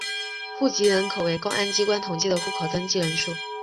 户籍人口为公安机关统计的户口登记人数。